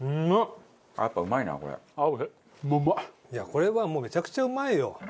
これはもうめちゃくちゃうまいよ。